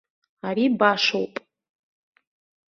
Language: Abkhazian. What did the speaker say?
Ари башоуп.